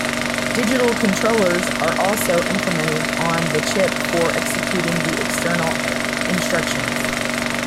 Digital controllers are also implemented on the chip for executing the external instructions.